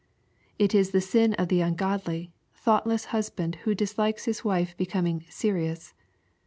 — It is the sin of the ungodly, thoughtless husband who dislikes his wife becoming " serious."